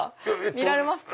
見られますか。